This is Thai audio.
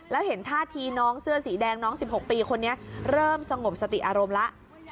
แล้วเห็นท่าทีน้องเสื้อสีแดงน้อง๑๖ปีคนนี้เริ่มสงบสติอารมณ์แล้ว